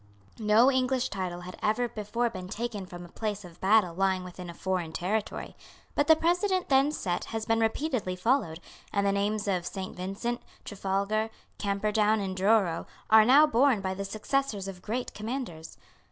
No English title had ever before been taken from a place of battle lying within a foreign territory. But the precedent then set has been repeatedly followed; and the names of Saint Vincent, Trafalgar, Camperdown, and Douro are now borne by the successors of great commanders.